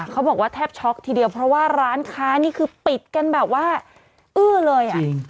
เขาบอกว่าแทบช็อกทีเดียวเพราะว่าร้านค้านี่คือปิดกันแบบว่าอื้อเลยอ่ะ